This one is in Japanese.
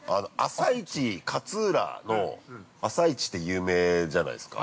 勝浦の朝市って有名じゃないですか。